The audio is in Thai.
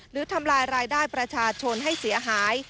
ทำลายรายได้ประชาชนให้เสียหาย